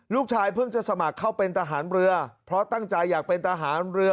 ลูกชายเพิ่งจะสมัครเข้าเป็นทหารเรือเพราะตั้งใจอยากเป็นทหารเรือ